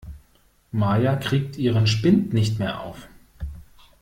Maja kriegt ihren Spind nicht mehr auf.